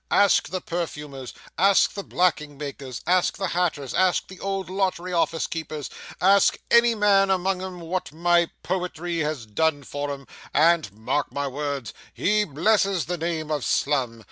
Ask the perfumers, ask the blacking makers, ask the hatters, ask the old lottery office keepers ask any man among 'em what my poetry has done for him, and mark my words, he blesses the name of Slum.